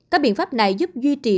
các biện pháp này giúp duy trì